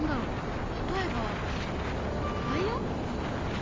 例えばライオン？